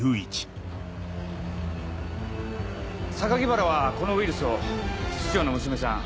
原はこのウイルスを室長の娘さん